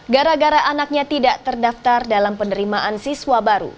gara gara anaknya tidak terdaftar dalam penerimaan siswa baru